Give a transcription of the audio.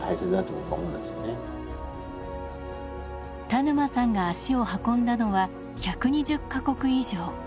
田沼さんが足を運んだのは１２０か国以上。